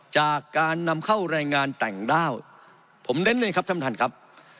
จากการนำเข้าแรงงานต่างด้าวผมเน้นเลยครับท่านท่านครับ